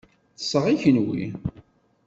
Ṭṣeɣ, i kenwi?